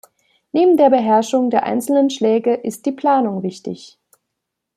Neben der Beherrschung der einzelnen Schläge ist die Planung wichtig.